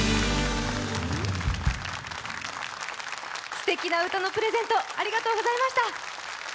すてきな歌のプレゼント、ありがとうございました。